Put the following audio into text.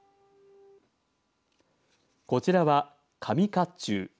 こちらは紙かっちゅう。